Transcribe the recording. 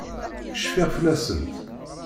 Cfiɣ fell-asent.